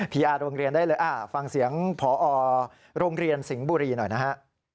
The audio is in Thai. ีอาร์โรงเรียนได้เลยฟังเสียงพอโรงเรียนสิงห์บุรีหน่อยนะฮะ